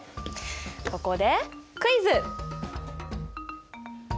ここでクイズ！